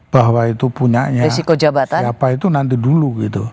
bahwa itu punya siapa itu nanti dulu gitu